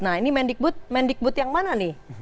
nah ini mendikbud mendikbud yang mana nih